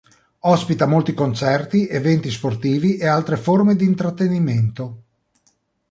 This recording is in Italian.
Ospita molti concerti, eventi sportivi, e altre forme di intrattenimento.